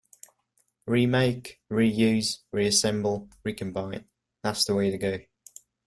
Remake, reuse, reassemble, recombine - that's the way to go.